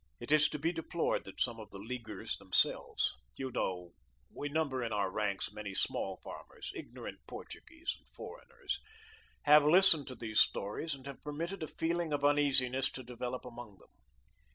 It is to be deplored that some of the Leaguers themselves you know, we number in our ranks many small farmers, ignorant Portuguese and foreigners have listened to these stories and have permitted a feeling of uneasiness to develop among them.